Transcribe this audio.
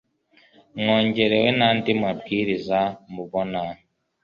mwongereho na ndi mabwiriza mubona